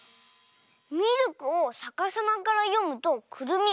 ミルクをさかさまからよむとくるみ。